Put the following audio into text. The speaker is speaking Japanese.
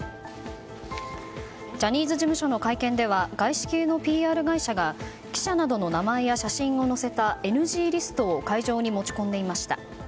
ジャニーズ事務所の会見では外資系のＰＲ会社が記者などの名前や写真を載せたＮＧリストを会場に持ち込んでいました。